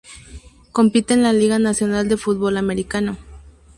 Compite en la Liga Nacional de Fútbol Americano.